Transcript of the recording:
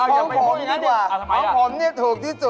ของผมดีกว่าของผมเนี่ยถูกที่สุด